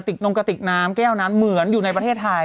นงกระติกน้ำแก้วนั้นเหมือนอยู่ในประเทศไทย